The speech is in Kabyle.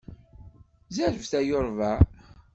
Zerbet ay urbaε!